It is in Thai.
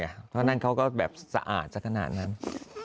เพราะฉะนั้นเขาก็แบบสะอาดสักขนาดนั้น